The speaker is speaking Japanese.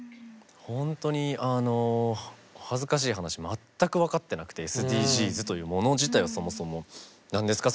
本当に恥ずかしい話全く分かってなくてＳＤＧｓというもの自体をそもそも何ですか？